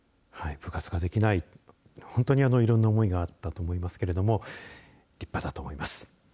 部活ができない本当にいろんな思いがあったと思いますけど立派だと思います。